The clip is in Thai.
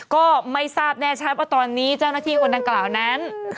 ก็ไม่ทราบแน่ชัดว่าตอนนี้เจ้าหน้าที่คนดังกล่าวนั้น